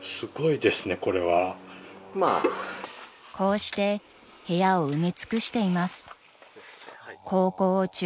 ［こうして部屋を埋め尽くしています］